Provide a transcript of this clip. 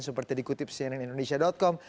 seperti dikutip cnn indonesia com